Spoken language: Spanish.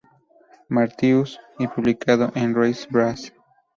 Martius y publicado en "Reise Bras.